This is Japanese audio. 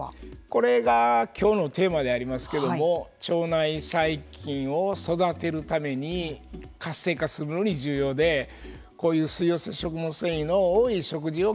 これがきょうのテーマでありますけれども腸内細菌を育てるために活性化するのに重要でこういう水溶性食物繊維の多い食事を